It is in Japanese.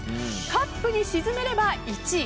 カップに沈めれば１位。